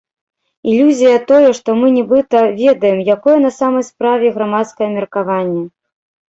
Ілюзія тое, што мы нібыта ведаем, якое на самой справе грамадскае меркаванне.